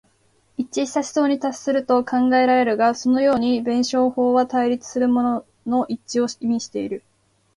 一致した思想に達すると考えられるが、そのように弁証法は対立するものの一致を意味している。